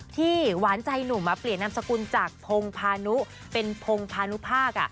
หวานใจหนุ่มเปลี่ยนนามสกุลจากพงพานุเป็นพงพานุภาค